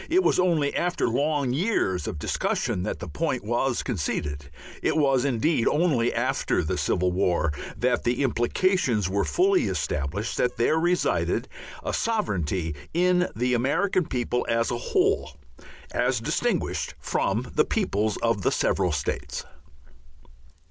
It was only after long years of discussion that the point was conceded; it was indeed only after the Civil War that the implications were fully established, that there resided a sovereignty in the American people as a whole, as distinguished from the peoples of the several states.